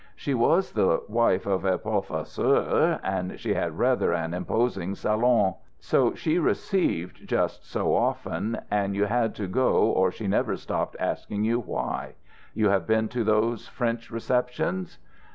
She was the wife of a professeur, and she had rather an imposing salon, so she received just so often, and you had to go or she never stopped asking you why. You have been to those French receptions?"